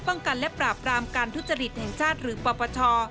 ป้องกันและปราบรามการทุจริตแห่งชาติหรือปปช